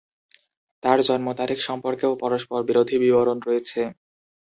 তাঁর জন্ম তারিখ সম্পর্কেও পরস্পরবিরোধী বিবরণ রয়েছে।